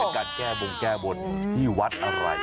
การแก้บงแก้บนที่วัดอะไร